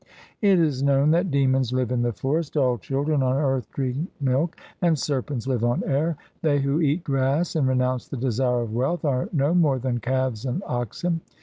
It is known that demons live in the forest, all children on earth drink milk, and serpents live on air. They who eat grass and renounce the desire of wealth, are no more than calves and oxen.